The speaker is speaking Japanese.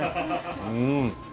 うん。